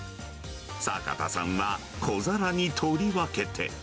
坂田さんは小皿に取り分けて。